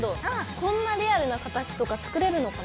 こんなリアルな形とか作れるのかな？